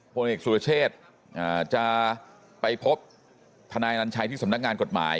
พลเอกสุรเชษจะไปพบทนายนัญชัยที่สำนักงานกฎหมาย